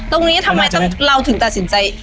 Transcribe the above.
ตรงนี้ทำไมเราถึงตัดสินใจ